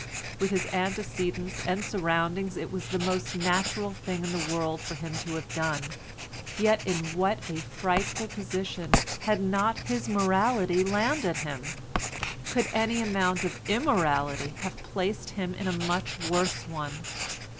With his antecedents and surroundings it was the most natural thing in the world for him to have done, yet in what a frightful position had not his morality landed him. Could any amount of immorality have placed him in a much worse one?